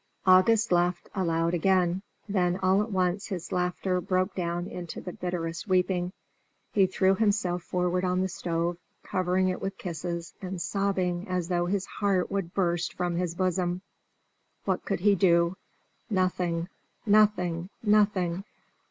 August laughed aloud again; then all at once his laughter broke down into bitterest weeping. He threw himself forward on the stove, covering it with kisses, and sobbing as though his heart would burst from his bosom. What could he do? Nothing, nothing, nothing!